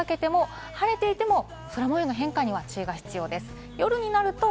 夕方にかけて晴れていても空模様の変化に注意が必要です。